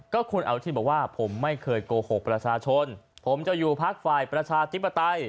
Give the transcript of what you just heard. ก็คุณอนุทินบอกว่าผมไม่เคยโกหกประชาชนผมจะอยู่พักฝ่ายประชาธิปไตย